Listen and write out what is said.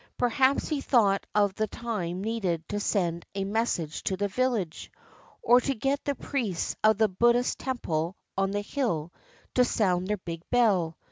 Perhaps he thought of the time needed to send a message to the village, or to get the priests of the Bud dhist temple on the hill to sound their big bell.